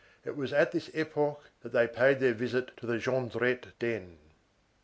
It was at this epoch that they paid their visit to the Jondrette den.